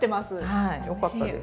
はいよかったです。